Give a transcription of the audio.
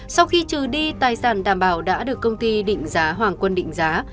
sau khi trừ đi tài sản đảm bảo đã được công ty định giá hoàng quân định giá